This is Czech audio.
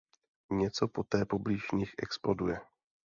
Něco poté poblíž nich exploduje.